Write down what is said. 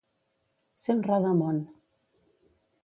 Ser un rodamon.